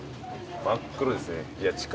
真っ黒ですね。